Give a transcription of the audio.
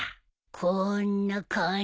こんな感じ？